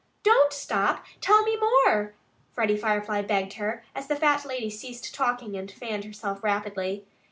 "Don't stop! Tell me more!" Freddie Firefly begged her, as the fat lady ceased talking and fanned herself rapidly.